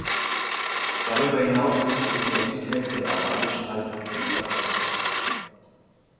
Darüber hinaus sind sie in der Südhälfte der Arabischen Halbinsel verbreitet.